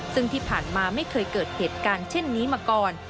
ซึ่งที่ผ่านมาไม่เคยเกิดเหตุการณ์เช่นนี้มาก่อน